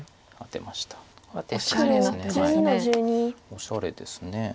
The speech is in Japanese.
おしゃれです。